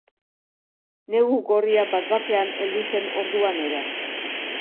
Negu gorria bat-batean heldu zen orduan ere.